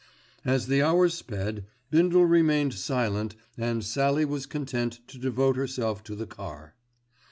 As the hours sped, Bindle remained silent and Sallie was content to devote herself to the car.